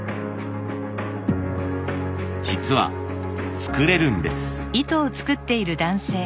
実は作れるんです。